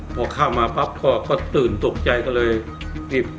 พอเข้ามาปั๊บพ่อก็ตื่นตกใจก็เลยรีบ